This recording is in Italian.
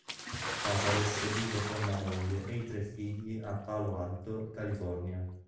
Casares vive con la moglie e i tre figli a Palo Alto, California.